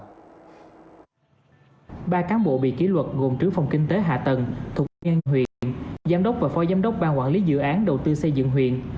ba cán bộ bị ký luật gồm trứ phòng kinh tế hạ tầng thuộc ngân huyện giám đốc và phó giám đốc bang quản lý dự án đầu tư xây dựng huyện